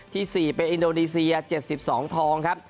ที่๔เป็นอินโดนีเซีย๗๒ทองครับ